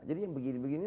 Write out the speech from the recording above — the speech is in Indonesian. jadi yang begini begini